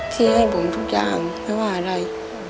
ที่ให้ผมทุกอย่างไม่ว่าอะไร